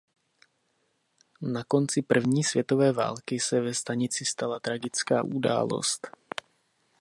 Na konci první světové války se ve stanici stala tragická událost.